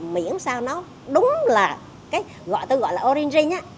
miễn sao nó đúng là cái gọi tôi gọi là origin